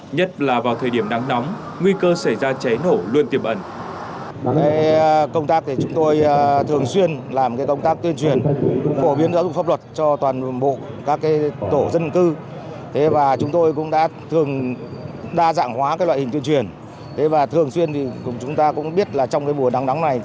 nhất là vào thời điểm nắng nóng nguy cơ xảy ra cháy nổ luôn tiềm ẩn